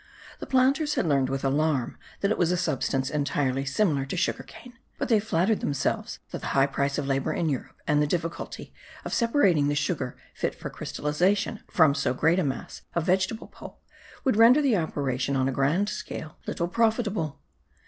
The planters had learned with alarm that it was a substance entirely similar to sugar cane, but they flattered themselves that the high price of labour in Europe and the difficulty of separating the sugar fit for crystallization from so great a mass of vegetable pulp would render the operation on a grand scale little profitable.